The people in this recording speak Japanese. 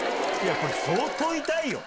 これ相当痛いよ！